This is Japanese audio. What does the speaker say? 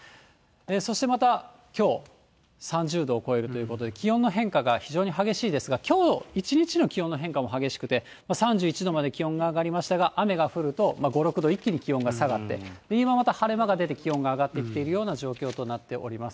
そしてまた、きょう３０度を超えるということで、気温の変化が非常に激しいですが、きょう一日の気温の変化も激しくて、３１度まで気温が上がりましたが、雨が降ると、５、６度、一気に気温が下がって、今また晴れ間が出て気温が上がってきているような状況となってきております。